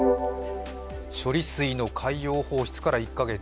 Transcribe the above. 処理水の海洋放出から１か月。